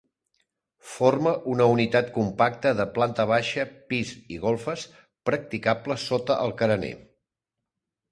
Forma una unitat compacta de planta baixa, pis i golfes practicables sota el carener.